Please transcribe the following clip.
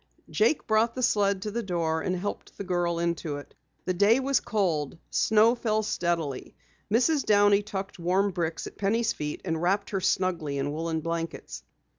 Jake brought the sled to the door, and helped the girl into it. The day was cold. Snow fell steadily. Mrs. Downey tucked warm bricks at Penny's feet and wrapped her snugly in woolen blankets.